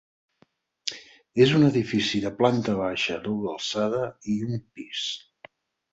És un edifici de planta baixa a doble alçada i un pis.